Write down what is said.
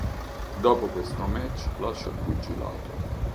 Dopo questo match lascia il pugilato.